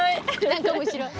何か面白い。